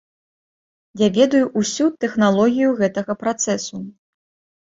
Я ведаю ўсю тэхналогію гэтага працэсу.